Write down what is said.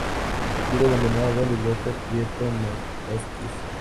Dido abandonada; libreto: Pietro Metastasio.